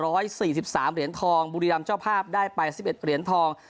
ร้อยสี่สิบสามเหรียญทองบุรีรำเจ้าภาพได้ไปสิบเอ็ดเหรียญทอง